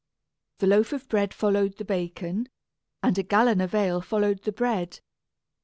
The loaf of bread followed the bacon, and a gallon of ale followed the bread.